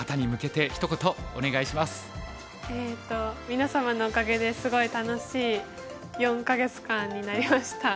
皆様のおかげですごい楽しい４か月間になりました。